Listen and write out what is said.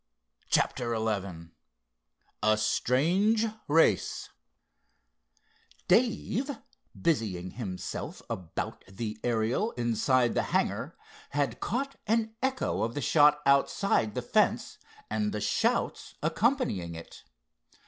CHAPTER XI A STRANGE RACE Dave, busying himself about the Ariel inside the hangar, had caught an echo of the shot outside the fence and the shouts accompanying it.